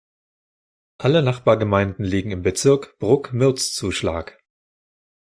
Alle Nachbargemeinden liegen im Bezirk Bruck-Mürzzuschlag.